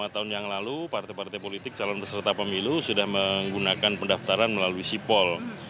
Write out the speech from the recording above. lima tahun yang lalu partai partai politik calon peserta pemilu sudah menggunakan pendaftaran melalui sipol